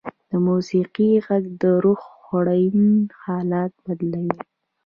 د موسیقۍ ږغ د روح خوړین حالت بدلوي.